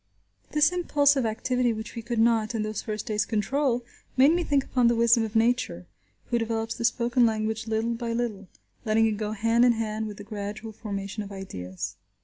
This impulsive activity which we could not, in those first days control, made me think upon the wisdom of Nature, who develops the spoken language little by little, letting it go hand in hand with the gradual formation of ideas.